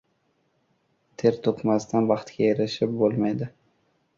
• Ter to‘kmasdan baxtga erishib bo‘lmaydi.